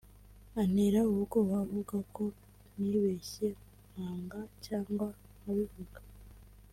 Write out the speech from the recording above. antera ubwoba avuga ko nibeshye nkanga cyangwa nkabivuga